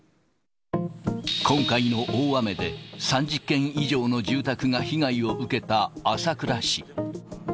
今回の大雨で、３０軒以上の住宅が被害を受けた朝倉市。